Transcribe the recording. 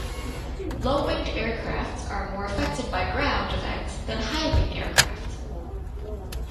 Low winged aircraft are more affected by ground effect than high wing aircraft.